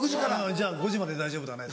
「じゃあ５時まで大丈夫だね」。